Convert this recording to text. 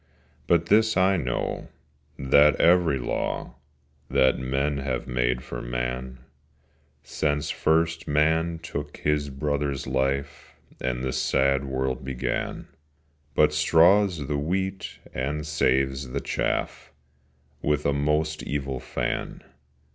But this I know, that every Law That men have made for Man, Since first Man took his brother's life, And the sad world began, But straws the wheat and saves the chaff With a most evil fan.